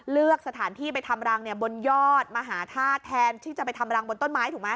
เลือกสถานที่ไปทำรังบนยอดมหาธาตุแทนที่จะไปทำรังบนต้นไม้ถูกไหม